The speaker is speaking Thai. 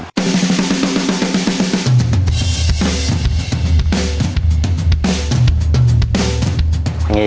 ขอบคุณครับผม